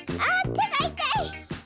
てがいたい！